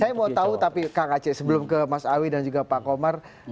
saya mau tahu tapi kak aceh sebelum ke mas awi dan juga pak komar